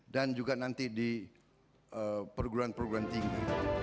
dan juga nanti di perguruan perguruan tinggi